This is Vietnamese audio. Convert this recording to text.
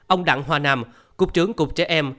ông đặng hòa nam cục trưởng cục trẻ em